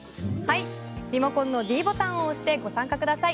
リモコンのｄボタンをしてご参加ください。